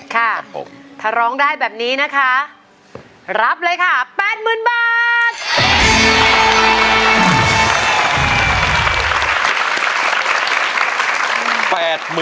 ค่ะถ้าร้องได้แบบนี้นะคะรับเลยค่ะ๘๐๐๐บาท